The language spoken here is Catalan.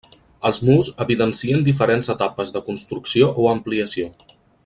Els murs evidencien diferents etapes de construcció o ampliació.